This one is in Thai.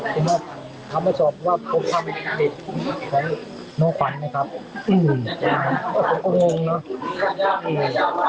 ทำไปสอบว่าพบคำเด็ดของน้องขวัญไหมครับอืมผมก็งงเนอะอืม